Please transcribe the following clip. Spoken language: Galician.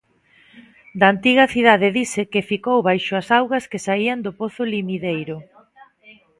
Da antiga cidade dise que ficou baixo as augas que saían do pozo Limideiro.